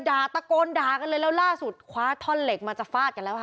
ตะโกนด่ากันเลยแล้วล่าสุดคว้าท่อนเหล็กมาจะฟาดกันแล้วค่ะ